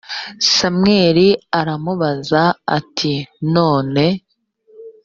samweli aramubaza ati none